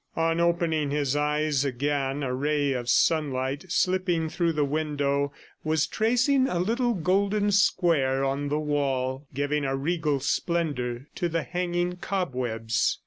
On opening his eyes again a ray of sunlight, slipping through the window, was tracing a little golden square on the wall, giving a regal splendor to the hanging cobwebs.